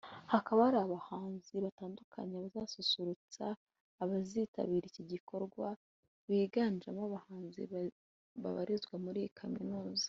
hakaba hari abahanzi batandukanye bazasusurutsa abazitabiri iki gikorwa biganjemo abahanzi babarizwa muri iyi kaminuza